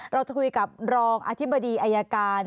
เราจะคุยกับรองอธิบดีอายการ